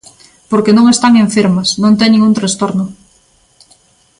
Porque non están enfermas, non teñen un trastorno.